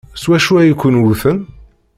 S wacu ay ken-wten?